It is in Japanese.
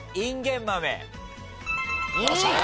おっしゃ！